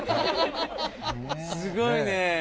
すごいね。